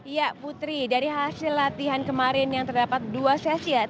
ya putri dari hasil latihan kemarin yang terdapat dua sesi ya